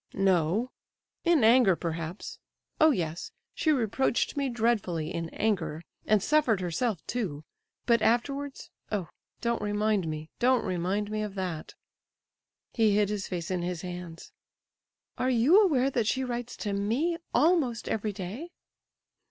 "No—in anger, perhaps. Oh yes! she reproached me dreadfully in anger; and suffered herself, too! But afterwards—oh! don't remind me—don't remind me of that!" He hid his face in his hands. "Are you aware that she writes to me almost every day?"